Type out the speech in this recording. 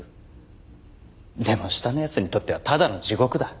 でも下の奴にとってはただの地獄だ。